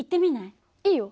いいよ。